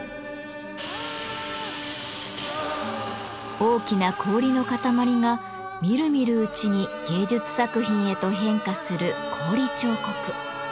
大きな氷の塊がみるみるうちに芸術作品へと変化する氷彫刻。